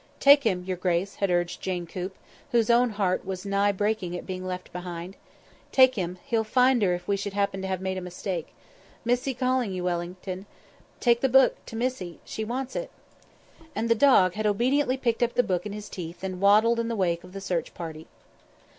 "Take him, your grace," had urged Jane Coop, whose own heart was nigh to breaking at being left behind. "Take him; he'll find her if we should happen to have made a mistake. Missie calling you, Wellington. Take the book to Missie; she wants it." And the dog had obediently picked up the book in his teeth and waddled in the wake of the search party.